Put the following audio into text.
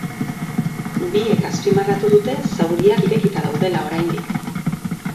Biek azpimarratu dute zauriak irekita daudela oraindik.